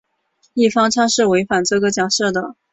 异方差是违反这个假设的。